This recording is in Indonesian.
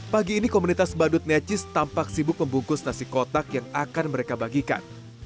pagi ini komunitas badut necis tampak sibuk membungkus nasi kotak yang akan mereka bagikan